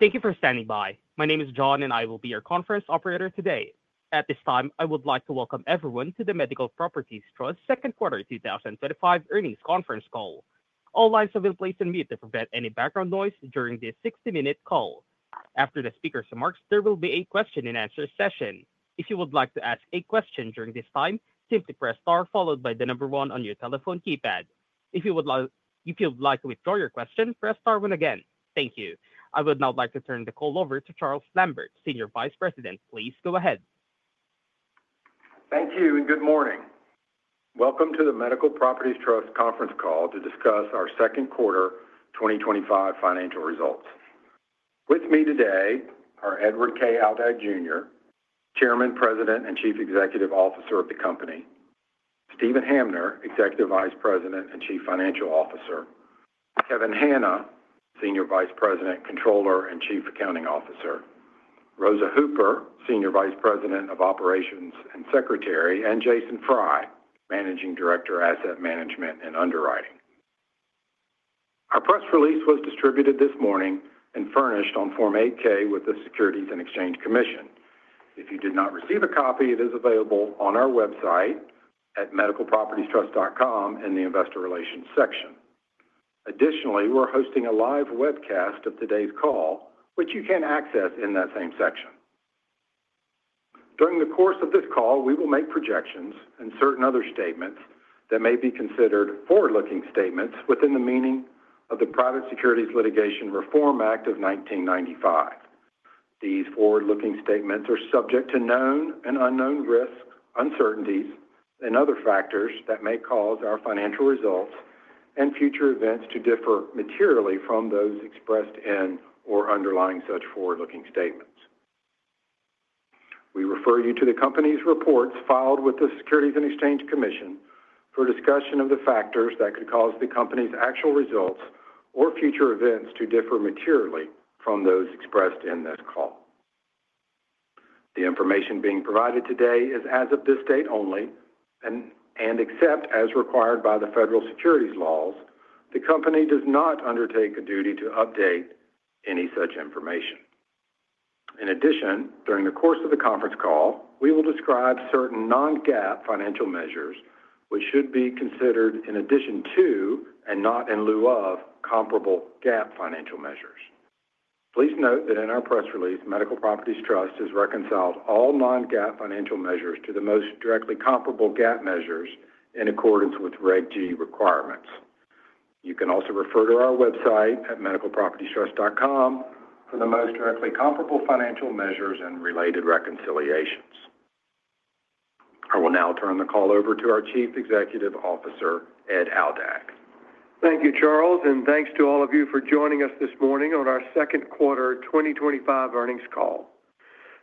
Thank you for standing by. My name is John and I will be your conference operator today. At this time I would like to welcome everyone to the Medical Properties Trust second quarter 2025 earnings conference call. All lines have been placed on mute to prevent any background noise during this 60 minute call. After the speaker's remarks, there will be a question-and-answer session. If you would like to ask a question during this time, simply press star followed by the number one on your telephone keypad. If you'd like to withdraw your question, press star one again. Thank you. I would now like to turn the call over to Charles Lambert, Senior Vice President. Please go ahead. Thank you and good morning. Welcome to the Medical Properties Trust conference call to discuss our second quarter 2025 financial results. With me today are Edward K. Aldag Jr., Chairman, President and Chief Executive Officer of the Company, Steven Hamner, Executive Vice President and Chief Financial Officer, Kevin Hanna, Senior Vice President, Controller and Chief Accounting Officer, Rosa Hooper, Senior Vice President of Operations and Secretary, and Jason Fry, Managing Director, Asset Management and Underwriting. Our press release was distributed this morning and furnished on Form 8-K with the Securities and Exchange Commission. If you did not receive a copy, it is available on our website at medicalpropertiestrust.com in the Investor Relations section. Additionally, we're hosting a live webcast of today's call which you can access in that same section. During the course of this call, we will make projections and certain other statements that may be considered forward-looking statements within the meaning of the Private Securities Litigation Reform Act of 1995. These forward-looking statements are subject to known and unknown risks, uncertainties and other factors that may cause our financial results and future events to differ materially from those expressed in or underlying such forward-looking statements. We refer you to the Company's reports filed with the Securities and Exchange Commission for a discussion of the factors that could cause the Company's actual results or future events to differ materially from those expressed in this call. The information being provided today is as of this date only and except as required by the federal securities laws, the Company does not undertake a duty to update any such information. In addition, during the course of the conference call, we will describe certain non-GAAP financial measures which should be considered in addition to and not in lieu of comparable GAAP financial measures. Please note that in our press release, Medical Properties Trust has reconciled all non-GAAP financial measures to the most directly comparable GAAP measures in accordance with Reg. G requirements. You can also refer to our website at medicalpropertiestrust.com for the most directly comparable financial measures and related reconciliations. I will now turn the call over to our Chief Executive Officer, Ed Aldag. Thank you, Charles, and thanks to all of you for joining us this morning on our second quarter 2025 earnings call.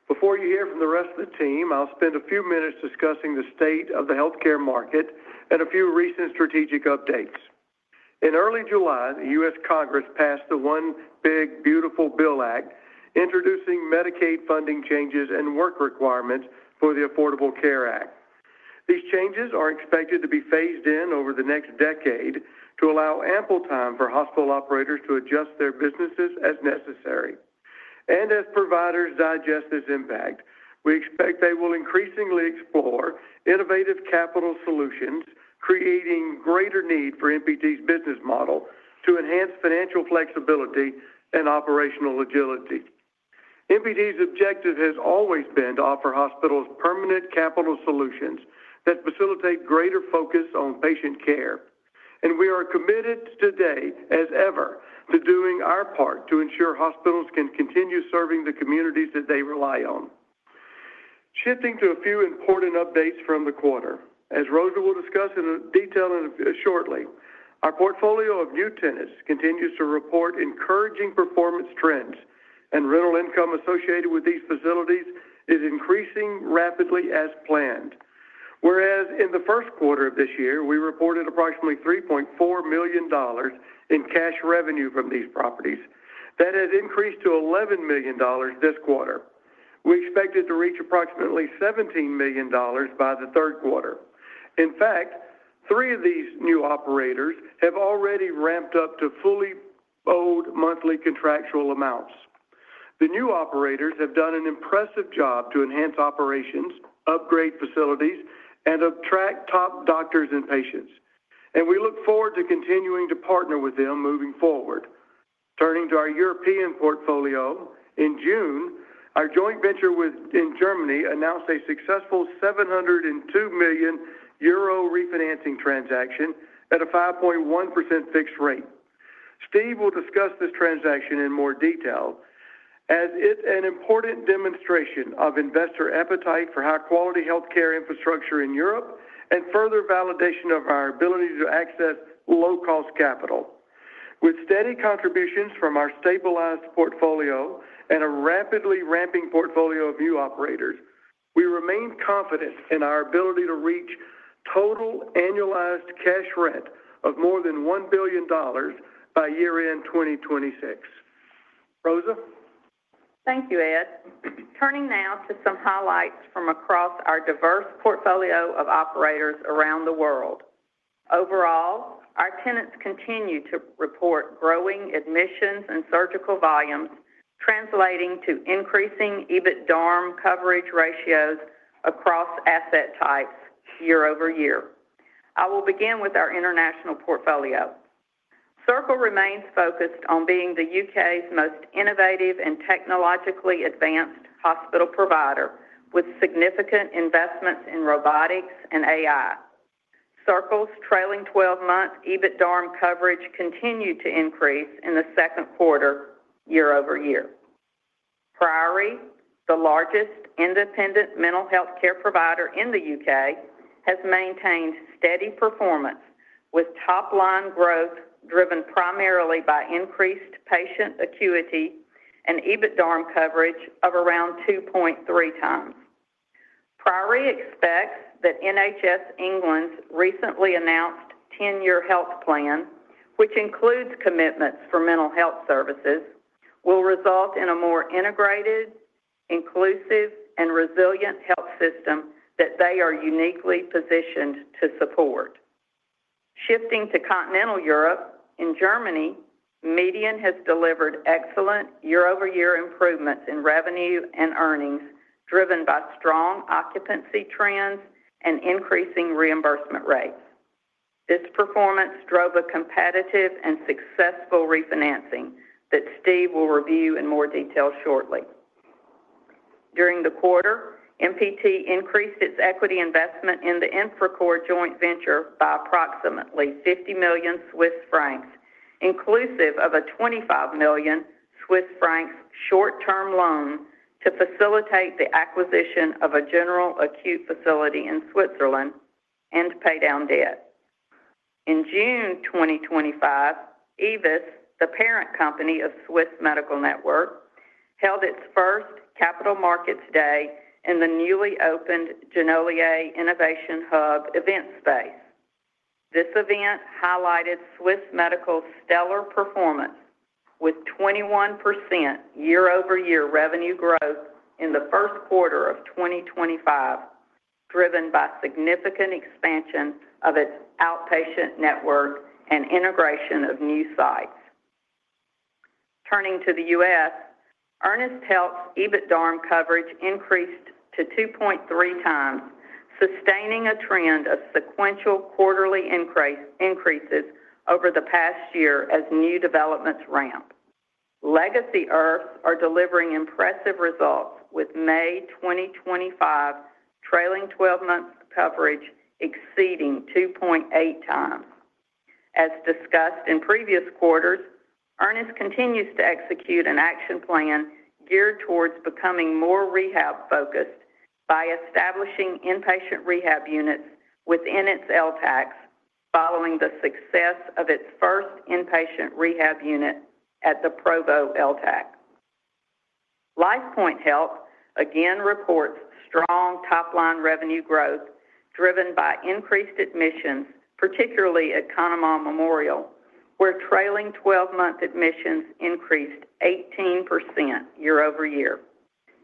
Before you hear from the rest of the team, I'll spend a few minutes discussing the state of the healthcare market and a few recent strategic updates. In early July, the U.S. Congress passed the One Big Beautiful Bill Act introducing Medicaid funding changes and work requirements for the Affordable Care Act. These changes are expected to be phased in over the next decade to allow ample time for hospital operators to adjust their businesses as necessary. As providers digest this impact, we expect they will increasingly explore innovative capital solutions, creating greater need for MPT's business model to enhance financial flexibility and operational agility. MPT's objective has always been to offer hospitals permanent capital solutions that facilitate greater focus on patient care, and we are committed today, as ever, to doing our part to ensure hospitals can continue serving the communities that they rely on. Shifting to a few important updates from the quarter, as Rosa will discuss in detail shortly, our portfolio of new tenants continues to report encouraging performance trends, and rental income associated with these facilities is increasing rapidly as planned. Whereas in the first quarter of this year we reported approximately $3.4 million in cash revenue from these properties, that has increased to $11 million this quarter. We expect it to reach approximately $17 million by the third quarter. In fact, three of these new operators have already ramped up to fully owed monthly contractual amounts. The new operators have done an impressive job to enhance operations, upgrade facilities, and attract top doctors and patients, and we look forward to continuing to partner with them moving forward. Turning to our European portfolio, in June our joint venture in Germany announced a successful 702 million euro refinancing transaction at a 5.1% fixed rate. Steve will discuss this transaction in more detail as it's an important demonstration of investor appetite for high quality healthcare infrastructure in Europe and further validation of our ability to access low cost capital. With steady contributions from our stabilized portfolio and a rapidly ramping portfolio of new operators, we remain confident in our ability to reach total annualized cash rent of more than $1 billion by year end 2026. Rosa? Thank you, Ed. Turning now to some highlights from across our diverse portfolio of operators around the world. Overall, our tenants continue to report growing admissions and surgical volumes, translating to increasing EBITDARM coverage ratios across asset types year over year. I will begin with our international portfolio. Circle Health remains focused on being the U.K.'s most innovative and technologically advanced hospital provider with significant investments in robotics and AI. Circle's trailing twelve month EBITDARM coverage continued to increase in the second quarter year-over-year. Priory, the largest independent mental health care provider in the U.K., has maintained steady performance with top line growth driven primarily by increased patient acuity and EBITDARM coverage of around 2.3x. Priory expects that NHS England's recently announced 10 year health plan, which includes commitments for mental health services, will result in a more integrated, inclusive, and resilient health system that they are uniquely positioned to support. Shifting to continental Europe, in Germany, Median has delivered excellent year-over-year improvements in revenue and earnings driven by strong occupancy trends and increasing reimbursement rates. This performance drove a competitive and successful refinancing that Steve will review in more detail shortly. During the quarter, MPT increased its equity investment in the Infracore joint venture by approximately 50 million Swiss francs, inclusive of a 25 million Swiss francs short term loan to facilitate the acquisition of a general acute facility in Switzerland and pay down debt. In June 2025, AEVIS, the parent company of Swiss Medical Network, held its first capital markets day in the newly opened Genolier Innovation Hub event space. This event highlighted Swiss Medical's stellar performance with 21% year-over-year revenue growth in the first quarter of 2025, driven by significant expansion of its outpatient network and integration of new sites. Turning to the U.S., Ernest Health's EBITDARM coverage increased to 2.3x, sustaining a trend of sequential quarterly increases over the past year as new developments ramp. Legacy IRFs are delivering impressive results with May 2025 trailing twelve months coverage exceeding 2.8x. As discussed in previous quarters, Ernest continues to execute an action plan geared towards becoming more rehab focused by establishing inpatient rehab units within its LTAC. Following the success of its first inpatient rehab unit at The Provo LTAC, LifePoint Health again reports strong top line revenue growth driven by increased admissions, particularly at Conemaugh Memorial where trailing 12 month admissions increased 18% year-over-year.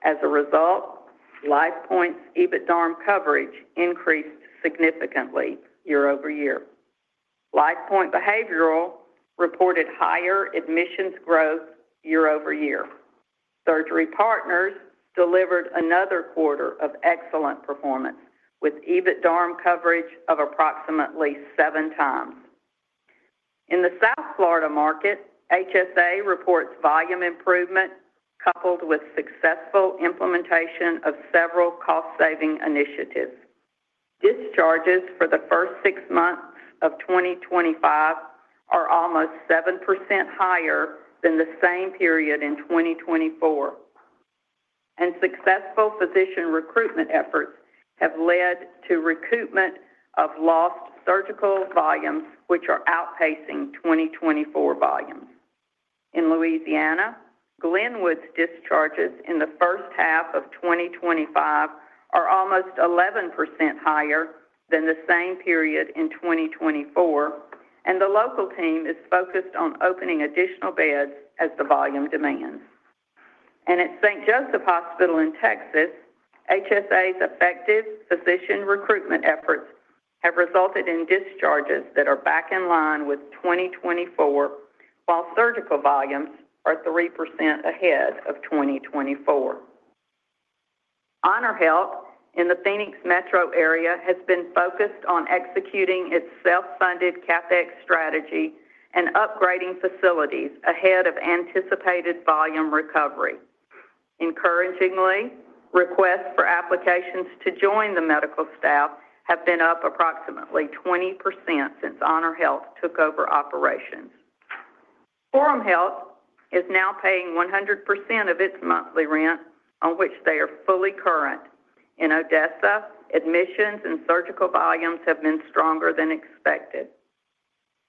As a result, LifePoint's EBITDARM coverage increased significantly year-over-year. LifePoint Behavioral reported higher admissions growth year-over-year. Surgery Partners delivered another quarter of excellent performance with EBITDARM coverage of approximately seven times in the South Florida market. HSA reports volume improvement coupled with successful implementation of several cost saving initiatives. Discharges for the first six months of 2025 are almost 7% higher than the same period in 2024, and successful physician recruitment efforts have led to recoupment of lost surgical volumes, which are outpacing 2024 volumes. In Louisiana, Glenwood's discharges in the first half of 2025 are almost 11% higher than the same period in 2024, and the local team is focused on opening additional beds as the volume demands. At St. Joseph Hospital in Texas, HSA's effective physician recruitment efforts have resulted in discharges that are back in line with 2024, while surgical volumes are 3% ahead of 2024. Honor Health in the Phoenix metro area has been focused on executing its self funded CapEx strategy and upgrading facilities ahead of anticipated volume recovery. Encouragingly, requests for applications to join the medical staff have been up approximately 20% since Honor Health took over operations. Forum Health is now paying 100% of its monthly rent on which they are fully current. In Odessa, admissions and surgical volumes have been stronger than expected.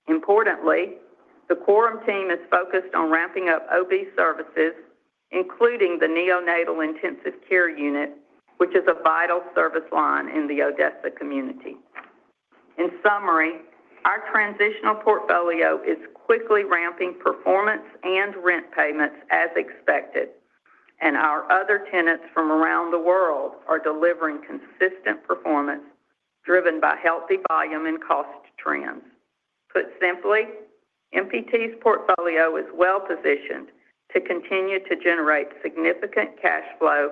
Importantly, the Quorum team is focused on ramping up OB services, including the neonatal intensive care unit, which is a vital service line in the Odessa community. In summary, our transitional portfolio is quickly ramping performance and rent payments as expected, and our other tenants from around the world are delivering consistent performance driven by healthy volume and cost trends. Put simply, MPT's portfolio is well positioned to continue to generate significant cash flow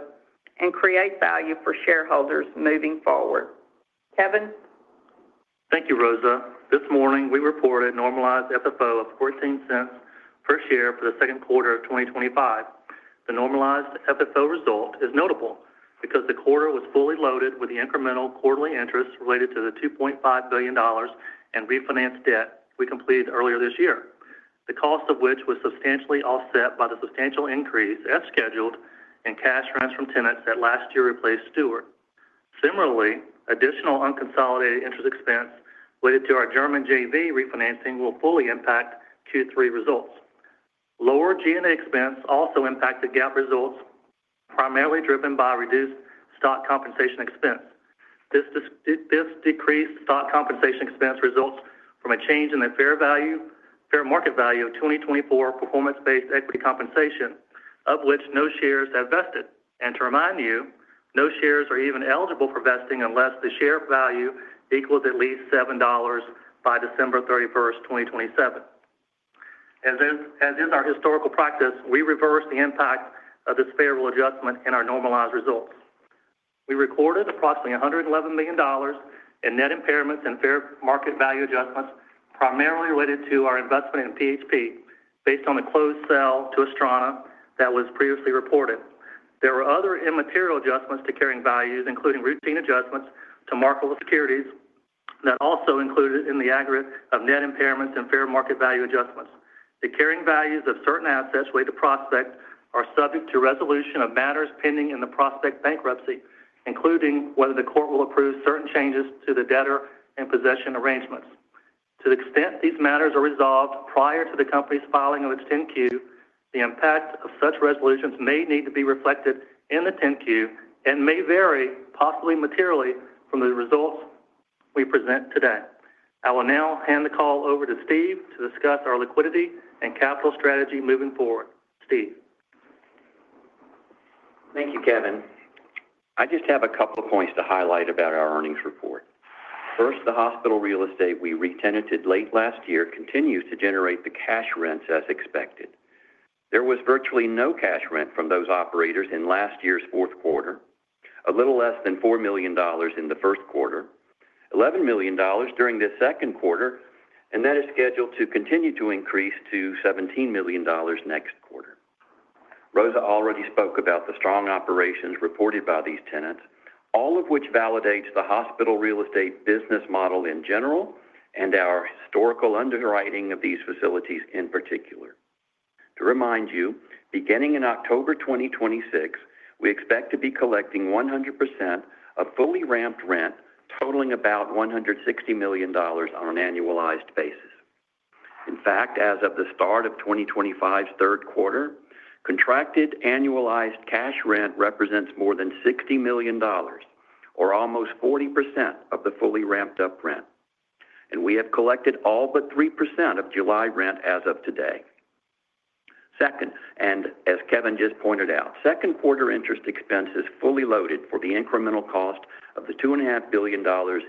and create value for shareholders moving forward. Kevin? Thank you, Rosa. This morning we reported normalized FFO of $0.14 per share for the second quarter of 2025. The normalized FFO result is notable because the quarter was fully loaded with the incremental quarterly interest related to the $2.5 billion in refinanced debt we completed earlier this year, the cost of which was substantially offset by the substantial increase as scheduled and cash rents from tenants that last year replaced Steward. Similarly, additional unconsolidated interest expense related to our German JV refinancing will fully impact Q3 results. Lower G&A expense also impacted GAAP results, primarily driven by reduced stock compensation expense. This decreased stock compensation expense results from a change in the fair market value of 2024 performance-based equity compensation of which no shares have vested. To remind you, no shares are even eligible for vesting unless the share value equals at least $7 by December 31st, 2027. As is our historical practice, we reversed the impact of this favorable adjustment in our normalized results. We recorded approximately $111 million in net impairments and fair market value adjustments, primarily related to our investment in PHP based on the closed sale to Astrana that was previously reported. There were other immaterial adjustments to carrying values, including routine adjustments to marketable securities that are also included in the aggregate of net impairments and fair market value adjustments. The carrying values of certain assets related to Prospect are subject to resolution of matters pending in the Prospect bankruptcy, including whether the court will approve certain changes to the debtor-in-possession arrangements. To the extent these matters are resolved prior to the Company's filing of its 10Q, the impact of such resolutions may need to be reflected in the 10Q and may vary, possibly materially, from the results we present today. I will now hand the call over to Steve to discuss our liquidity and capital strategy moving forward. Steve. Thank you, Kevin. I just have a couple of points to highlight about our earnings report. First, the hospital real estate we re-tenanted late last year continues to generate the cash rents. As expected, there was virtually no cash rent from those operators in last year's fourth quarter, a little less than $4 million in the first quarter, $11 million during this second quarter, and that is scheduled to continue to increase to $17 million next quarter. Rosa already spoke about the strong operations reported by these tenants, all of which validates the hospital real estate business model in general and our historical underwriting of these facilities in particular. To remind you, beginning in October 2026, we expect to be collecting 100% of fully ramped rent totaling about $160 million on an annualized basis. In fact, as of the start of 2025's third quarter, contracted annualized cash rent represents more than $60 million, or almost 40% of the fully ramped up rent. We have collected all but 3% of July rent as of today. Second, and as Kevin just pointed out, second quarter interest expense is fully loaded for the incremental cost of the $2.5 billion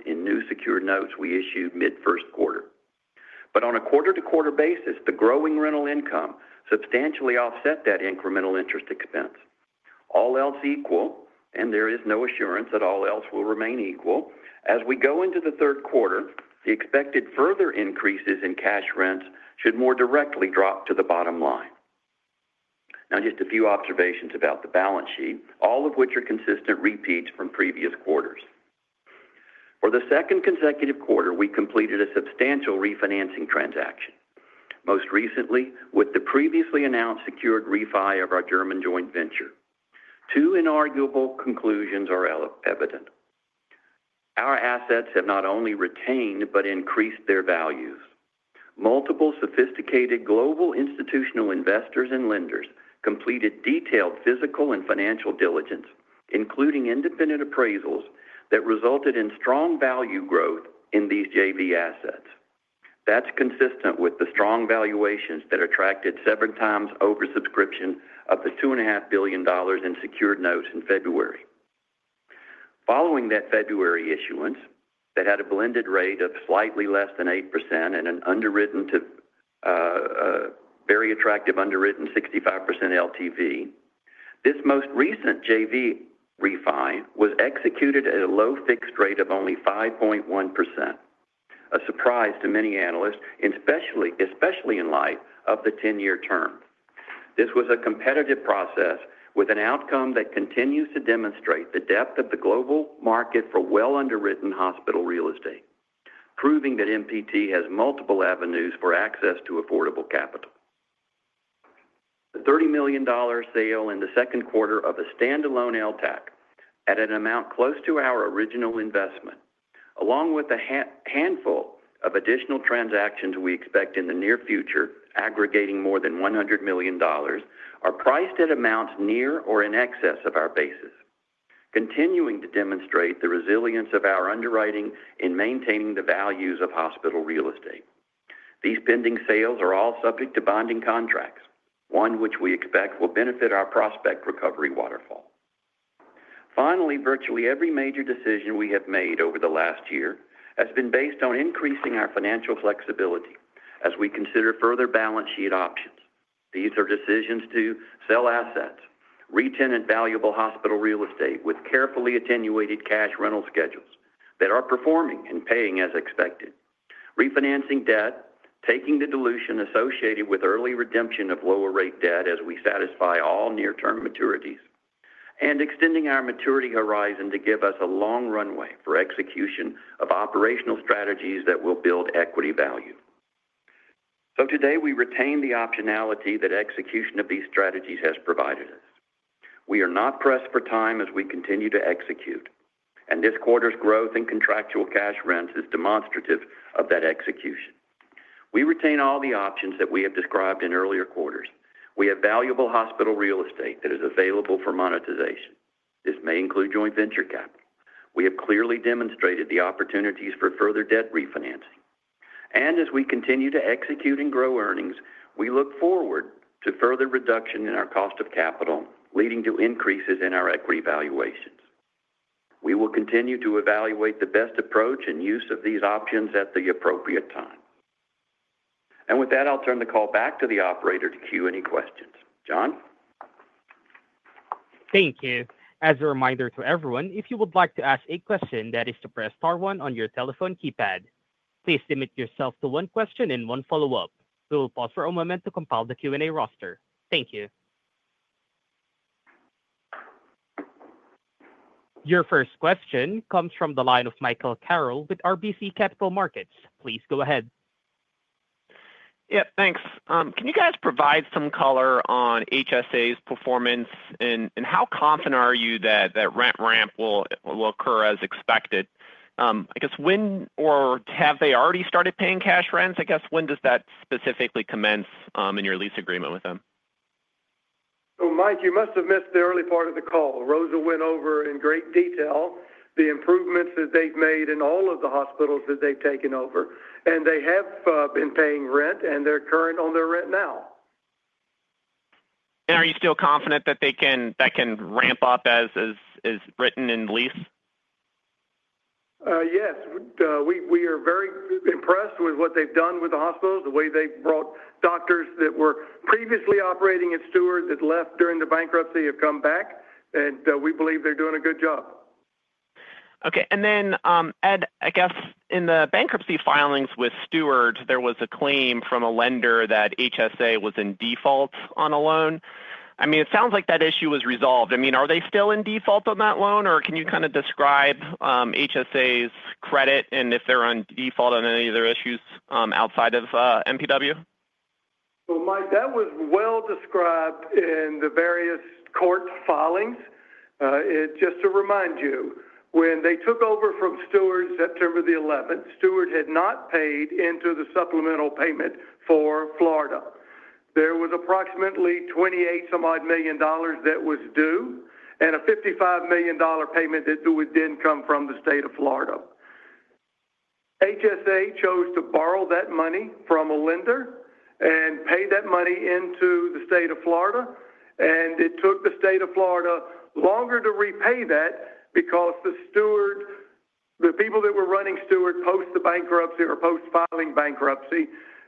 in new secured notes we issued mid first quarter. On a quarter to quarter basis, the growing rental income substantially offset that incremental interest expense. All else equal, and there is no assurance that all else will remain equal as we go into the third quarter, the expected further increases in cash rents should more directly drop to the bottom line. Now, just a few observations about the balance sheet, all of which are consistent repeats from previous quarters. For the second consecutive quarter, we completed a substantial refinancing transaction, most recently with the previously announced secured refi of our German joint venture. Two inarguable conclusions are evident. Our assets have not only retained but increased their values. Multiple sophisticated global institutional investors and lenders completed detailed physical and financial diligence, including independent appraisals that resulted in strong value growth in these JV assets. That is consistent with the strong valuations that attracted seven times over subscription of up to $2.5 billion in secured notes in February. Following that February issuance that had a blended rate of slightly less than 8% and an underwritten to very attractive underwritten 65% LTV, this most recent JV refi was executed at a low fixed rate of only 5.1%, a surprise to many analysts, especially in light of the 10 year term. This was a competitive process with an outcome that continues to demonstrate the depth of the global market for well underwritten hospital real estate, proving that MPT has multiple avenues for access to affordable capital. The $30 million sale in the second quarter of a standalone LTAC at an amount close to our original investment, along with a handful of additional transactions we expect in the near future aggregating more than $100 million, are priced at amounts near or in excess of our basis. Continuing to demonstrate the resilience of our underwriting in maintaining the values of hospital real estate, these pending sales are all subject to bonding contracts, one which we expect will benefit our Prospect Recovery Water. Virtually every major decision we have made over the last year has been based on increasing our financial flexibility as we consider further balance sheet options. These are decisions to sell assets, retenant valuable hospital real estate with carefully attenuated cash rental schedules that are performing and paying as expected, refinancing debt, taking the dilution associated with early redemption of lower rate debt as we satisfy all near term maturities, and extending our maturity horizon to give us a long runway for execution of operational strategies that will build equity value. Today we retain the optionality that execution of these strategies has provided us. We are not pressed for time as we continue to execute and this quarter's growth in contractual cash rents is demonstrative of that execution. We retain all the options that we have described in earlier quarters. We have valuable hospital real estate that is available for monetization. This may include joint venture capital. We have clearly demonstrated the opportunities for further debt refinancing and as we continue to execute and grow earnings, we look forward to further reduction in our cost of capital leading to increases in our equity valuations. We will continue to evaluate the best approach and use of these options at the appropriate time and with that I'll turn the call back to the operator to queue any questions. John. Thank you. As a reminder to everyone, if you would like to ask a question, that is to press star one on your telephone keypad. Please limit yourself to one question and one follow up. We will pause for a moment to compile the Q and A roster. Thank you. Your first question comes from the line of Michael Carroll with RBC Capital Markets. Please go ahead. Yep, thanks. Can you guys provide some color on HSA's performance, and how confident are you that rent ramp will occur as expected? I guess. When or have they already started paying cash rent? I guess. When does that specifically commence in your lease agreement with them? Mike, you must have missed the early part of the call. Rosa went over in great detail the improvements that they've made in all of the hospitals that they've taken over. They have been paying rent and they're current on their rent now. Are you still confident that can ramp up as written in lease? Yes, we are very impressed with what they've done with the hospitals. The way they brought doctors that were previously operating at Steward that left during the bankruptcy have come back, and we believe they're doing a good job. Okay. Ed, I guess in the bankruptcy filings with Steward, there was a claim from a lender that HSA was in default on a loan. It sounds like that issue was resolved. Are they still in default on that loan, or can you kind of describe HSA's credit and if they're in default on any of their issues outside of MPT? Mike, that was well described in the various court filings. Just to remind you, when they took over from Steward September 11, Steward had not paid into the supplemental payment for Florida. There was approximately $28 million that was due and a $55 million payment that would then come from. The state of Florida. HSA chose to borrow that money from a lender and pay that money into the state of Florida. It took the state of Florida longer to repay that because the people that were running Steward post filing bankruptcy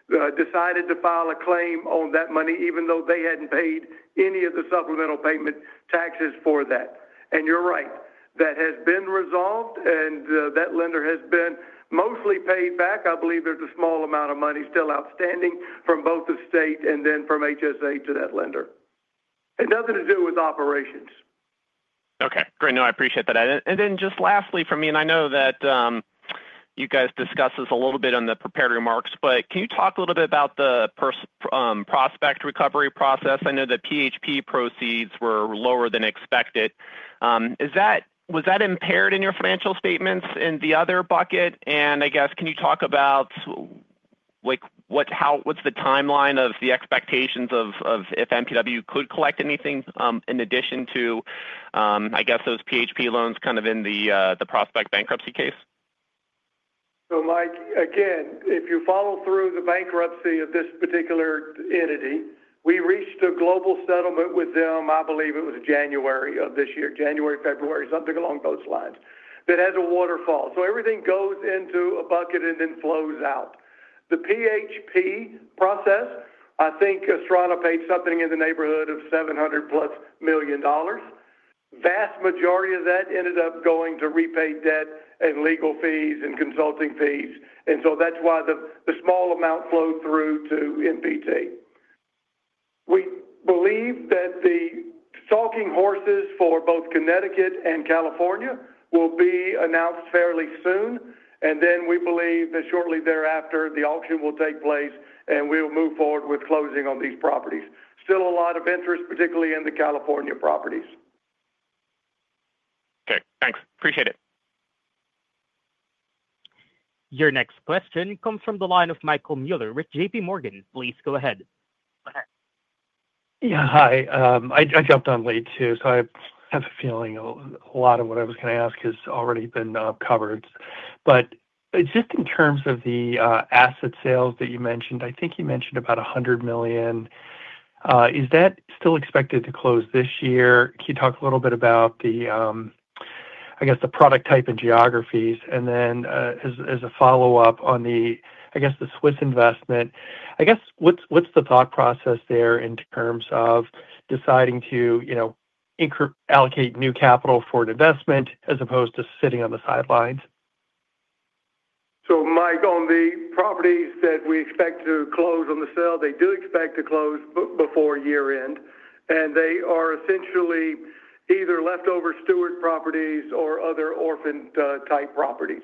decided to file a claim on that money even though they hadn't paid any of the supplemental payment taxes for that. You're right, that has been resolved and that lender has been mostly paid back. I believe there's a small amount of money still outstanding from both the state and then from HSA to that lender, and nothing to do with operations. Okay, great. No, I appreciate that. Lastly from me, I know that you guys discussed this a little bit on the prepared remarks. Can you talk a little bit. About the Prospect recovery process? I know the PHP proceeds were lower than expected. Was that impaired in your financial statements in the other bucket, and can you talk about what's the timeline of the expectations of if MPT could collect anything in addition to those PHP loans in the Prospect bankruptcy case. Mike, again, if you follow through the bankruptcy of this particular entity, we reached a global settlement with them. I believe it was January of this year, January, February, something along those lines that has a waterfall. Everything goes into a bucket and then flows out the PHP process. I think Estrada paid something in the neighborhood of $700+ million. The vast majority of that ended up going to repaid debt and legal fees and consulting fees, and that's why the small amount flowed through to MPT. We believe that the stalking horses for both Connecticut and California will be announced fairly soon. We believe that shortly thereafter the auction will take place and we will move forward with closing on these properties. Still a lot of interest, particularly in the California properties. Okay, thanks. Appreciate it. Your next question comes from the line of Michael Mueller with JP Morgan. Please go ahead. Yeah, hi. I jumped on late too, so I have a feeling a lot of what I was going to ask has already been covered. Just in terms of the asset sales that you mentioned, I think you mentioned about $100 million, is that still expected to close this year? Can you talk a little bit about the, I guess the product type and geographies, and then as a follow up on the, I guess the Swiss investment? What's the thought process there in terms of deciding to, you know, allocate new capital for an investment as opposed to sitting on the sidelines. So Mike, on the properties that we expect to close on the sale, they do expect to close before year end and they are essentially either leftover Steward properties or other orphaned type properties.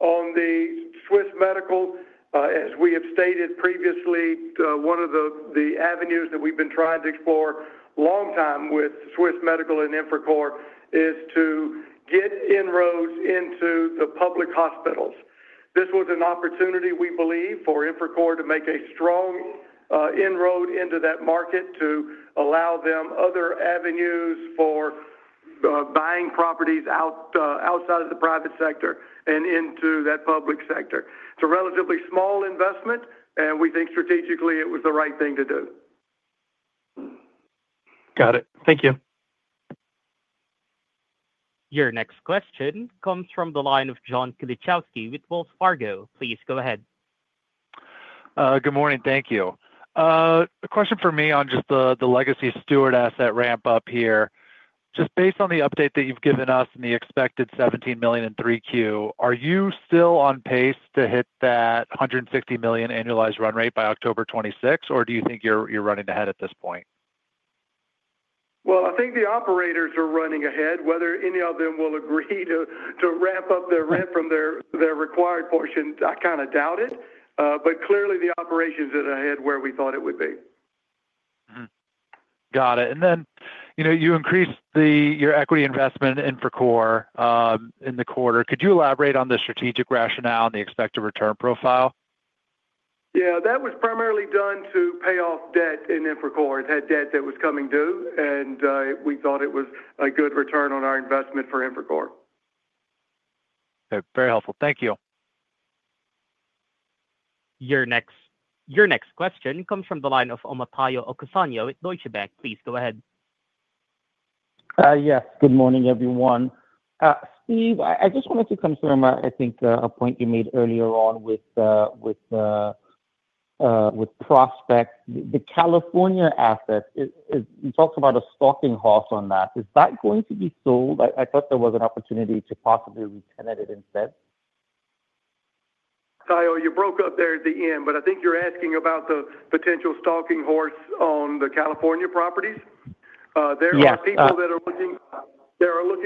On the Swiss Medical, as we have stated previously, one of the avenues that we've been trying to explore a long time with Swiss Medical and Infracore is to get inroads into the public hospitals. This was an opportunity, we believe, for Infracore to make a strong inroad into that market to allow them other avenues for buying properties outside of the private sector and into that public sector. It's a relatively small investment and we think strategically it was the right thing to do. Got it. Thank you. Your next question comes from the line of John Kilichowski with Wells Fargo. Please go ahead. Good morning. Thank you. A question for me on just the legacy Steward asset ramp up here, just based on the update that you've given us and the expected $17 million in 3Q. Are you still on pace to hit? That $150 million annualized run rate by October 26, or do you think you're running ahead at this point? I think the operators are running ahead. Whether any of them will agree to ramp up their rent from their required portion, I kind of doubt it. Clearly, the operations are ahead where we thought it would be. Got it. You increased your equity investment in Infracore in the quarter. Could you elaborate on the strategic rationale and the expected return profile? Yeah, that was primarily done to pay off debt in Infracore. It had debt that was coming due, and we thought it was a good return on our investment for Infracore. Very helpful, thank you. Your next question comes from the line of Omotayo Okusanya, Deutsche Bank. Please go ahead. Yes, good morning, everyone. Steve, I just wanted to confirm, I think a point you made earlier with prospects. The California asset, you talked about a stalking horse on that. Is that going to be sold? I thought there was an opportunity to possibly retenant it instead. Tayo, you broke up there at the end, but I think you're asking about the potential stalking horse on the California properties. There are people that are looking. There are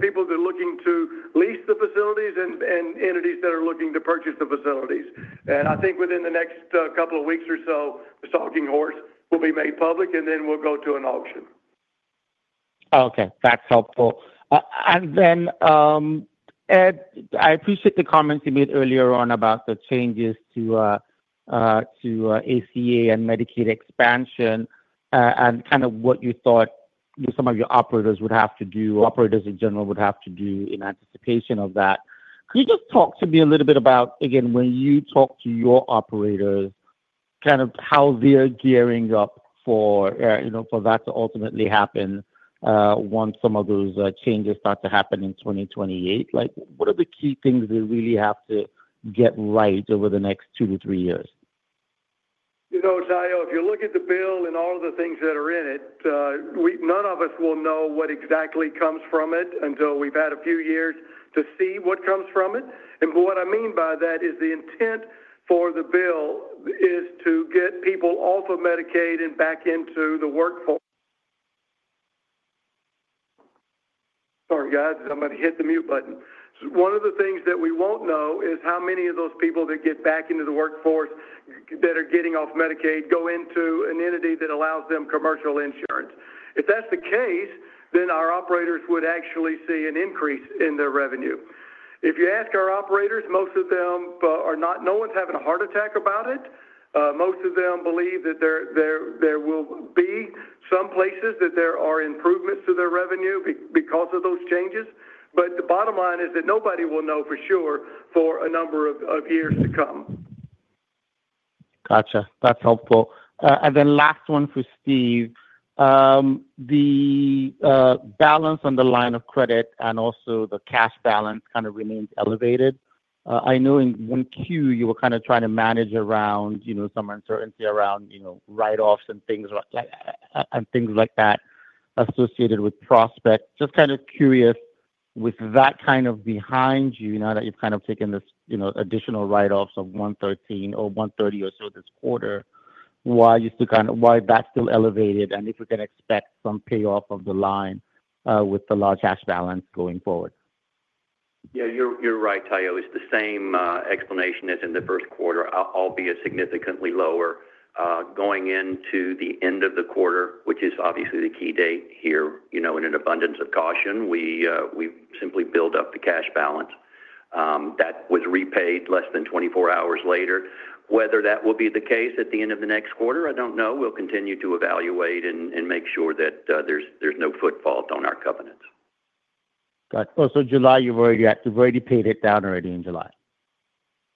people that are looking to lease the facilities and entities that are looking to purchase the facilities. I think within the next couple of weeks or so, the stalking horse will be made public and then we'll go to an auction. Okay, that's helpful. Ed, I appreciate the comments you made earlier about the changes to ACA and Medicaid expansion and what you thought some of your operators would have to do, operators in general would have to do in anticipation of that. Could you just talk to me a little bit about, again, when you talk to your operators, how they're gearing up for that to ultimately happen, once some of those changes start to happen in 2028? What are the key things they really have to get right over the next two to three years? If you look at the bill and all of the things that are in it, none of us will know what exactly comes from it until we've had a few years to see what comes from it. What I mean by that is the intent for the bill is to get people off of Medicaid and back into the workforce. Sorry, guys, I'm going to hit the mute button. One of the things that we won't know is how many of those people that get back into the workforce that are getting off Medicaid go into an entity that allows them commercial insurance. If that's the case, then our operators would actually see an increase in their revenue. If you ask our operators, most of them are not. No one's having a heart attack about it. Most of them believe that there will be some places that there are improvements to their revenue because of those changes. The bottom line is that nobody will know for sure for a number of years to come. Gotcha. That's helpful. Last one for Steve, the balance on the line of credit and also the cash balance kind of remains elevated. I know in Q1 you were kind of trying to manage around some uncertainty around write offs and things like that associated with Prospect. Just kind of curious with that kind of behind you, now that you've kind of taken this additional write offs of $113 million or $130 million or so this quarter, why that's still elevated and if we can expect some payoff of the line with the large cash balance going forward. Yeah, you're right, Omotayo. It's the same explanation as in the first quarter, albeit significantly lower going into the end of the quarter, which is obviously the key date here. In an abundance of caution, we simply build up the cash balance that was repaid less than 24 hours later. Whether that will be the case at the end of the next quarter, I don't know. We'll continue to evaluate and make sure that there's no foot fault on our covenants. Also, July, you've already paid it down already in July.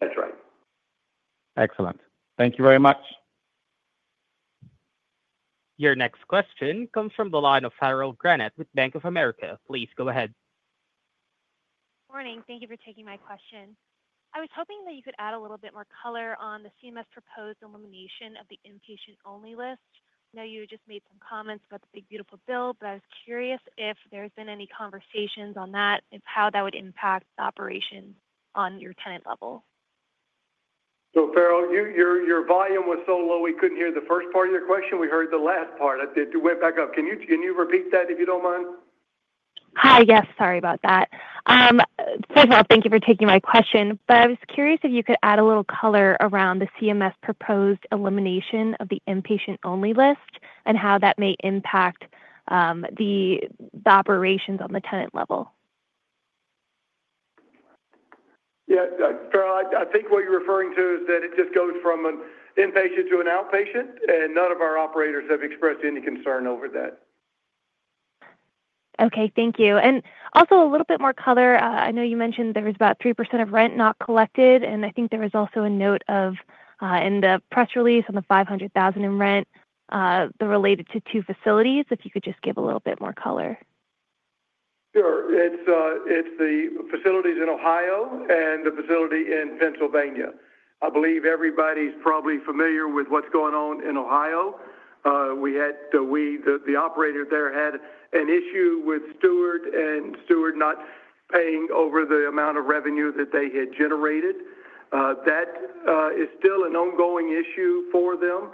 That's right. Excellent. Thank you very much. Your next question comes from the line of Farrell Granath with Bank of America. Please go ahead. Morning. Thank you for taking my question. I was hoping that you could add a little bit more color on the CMS proposed elimination of the inpatient only list. You just made some comments about the One Big Beautiful Bill Act, but I was curious if there's been any conversations on that, how that would impact operations on your tenant level. Farrell, your volume was so low we couldn't hear the first part of your question. We heard the last part. It went back up. Can you repeat that, if you don't mind? Hi. Yes, sorry about that. First of all, thank you for taking my question. I was curious if you could add a little color around the CMS proposed elimination of the inpatient only list and how that may impact the operations on the tenant level. I think what you're referring to is that it just goes from an inpatient to an outpatient. None of our operators have expressed any concern over that. Okay, thank you. Also, a little bit more color. I know you mentioned there was about 3% of rent not collected. I think there was also a note in the press release on the $500,000 in rent that related to two facilities. If you could just give a little bit more color. Sure. It's the facilities in Ohio and the facility in Pennsylvania. I believe everybody's probably familiar with what's going on in Ohio. We had the operator there had an issue with Steward and Steward not paying over the amount of revenue that they had generated. That is still an ongoing issue for them.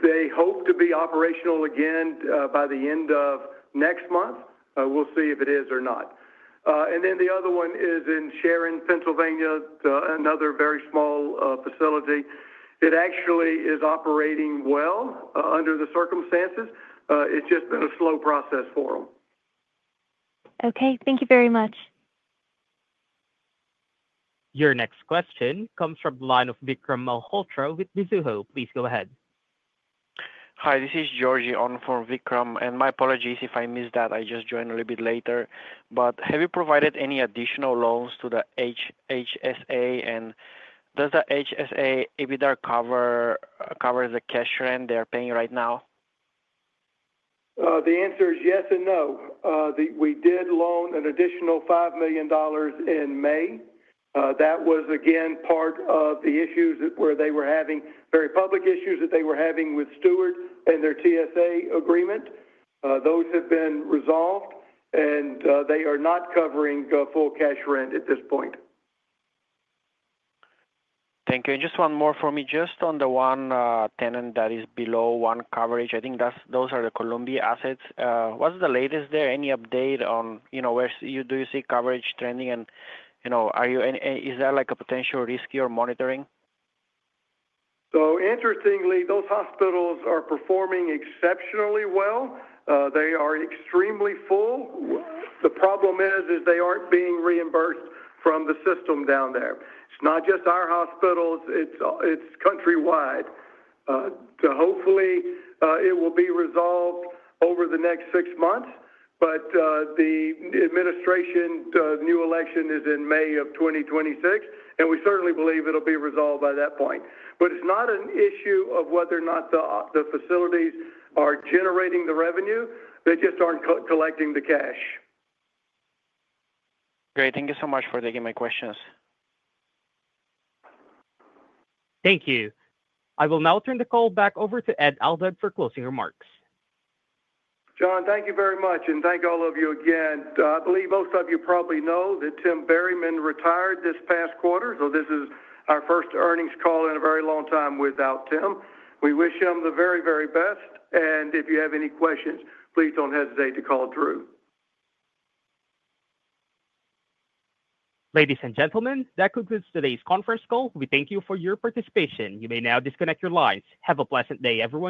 They hope to be operational again by the end of next month. We'll see if it is or not. The other one is in Sharon, Pennsylvania, another very small facility. It actually is operating well under the circumstances. It's just been a slow process for them. Okay, thank you very much. Your next question comes from the line of Vikram Malhotra with Mizuho. Please go ahead. Hi, this is Georgi on for Vikram. My apologies if I missed that. I just joined a little bit later. Have you provided any additional loans to the HSA, and does the HSA EBITDA cover the cash rent they're paying right now? The answer is yes and no. We did loan an additional $5 million in May. That was, again, part of the issues where they were having very public issues that they were having with Steward and their TSA agreement. Those have been resolved, and they are not covering full cash rent at this point. Thank you. Just one more for me, on the one tenant that is below one coverage. I think those are the Columbia assets. What's the latest there, any update on where you do see coverage trending? Are you, is that. Like a potential risk you're monitoring? Interestingly, those hospitals are performing exceptionally well. They are extremely full. The problem is, they aren't being reimbursed from the system down there. It's not just our hospitals, it's countrywide. Hopefully, it will be resolved over the next six months. The administration new election is in May of 2026, and we certainly believe it'll be resolved by that point. It's not an issue of whether or not the facilities are generating the revenue. They just aren't collecting the cash. Great. Thank you so much for taking my questions. Thank you. I will now turn the call back over to Ed Aldag for closing remarks. John, thank you very much and thank all of you again. I believe most of you probably know that Tim Berryman retired this past quarter. This is our first earnings call in a very long time without Tim. We wish him the very, very best. If you have any questions, please don't hesitate to call through. Ladies and gentlemen, that concludes today's conference call. We thank you for your participation. You may now disconnect your lines. Have a pleasant day, everyone.